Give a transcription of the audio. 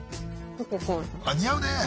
似合うね！